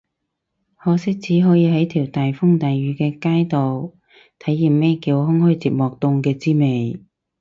可惜只可以喺條大風大雨嘅街度體驗咩叫空虛寂寞凍嘅滋味